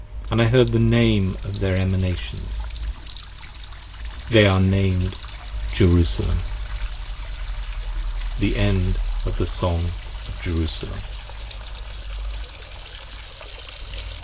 5 And I heard the Name of their Emanations: they are named Jerusalem. THE END OF THE SONG OF JERUSALEM.